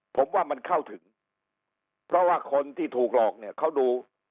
ผมว่ามันเข้าถึงเพราะว่าคนที่ถูกหลอกเนี่ยเขาดู